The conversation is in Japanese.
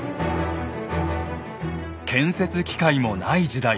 建設機械もない時代